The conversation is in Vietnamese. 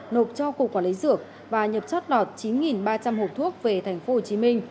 nộp cho cụ quản lý dược và nhập chất đọt chín ba trăm linh hộp thuốc về tp hcm